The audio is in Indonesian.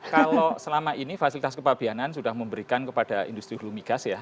kalau selama ini fasilitas kepabianan sudah memberikan kepada industri hulu migas ya